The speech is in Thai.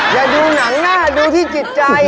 ดูหนังหน้าดูที่จิตใจ